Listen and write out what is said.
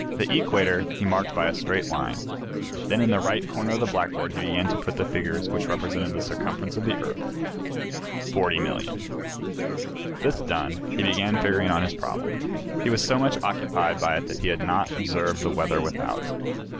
The equator he marked by a straight line. Then in the right corner of the blackboard he began to put the figures which represented the circumference of the earth: 40,000,000. This done, he began figuring on his problem. He was so much occupied by it that he had not observed the weather without.